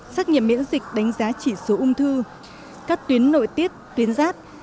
xác nghiệm miễn dịch đánh giá chỉ số ung thư các tuyến nội tiết tuyến rát